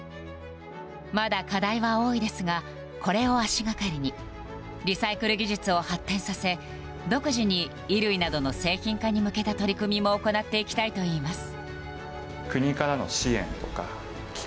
まだ課題は多いですがこれを足掛かりにリサイクル技術を発展させ独自に衣類などの製品化に向けた取り組みも行っていきたいといいます。